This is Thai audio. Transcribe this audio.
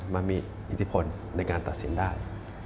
มามีอิทธิพลในการตัดสินได้